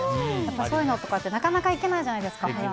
そういうのとかってなかなか行けないじゃないですか普段。